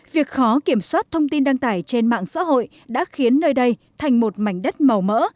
việc khó kiểm soát thông tin đăng tải trên mạng xã hội đã khiến nơi đây thành một mảnh đất màu mỡ